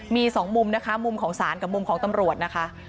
มีสองมุมนะคะมุมของศาลกับมุมของตำรวจนะคะ